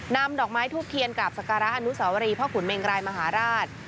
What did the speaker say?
นำดอกไม้ทูบเทียนกราบสการะอนุสวรีพ่อขุนเมงรายมหาราช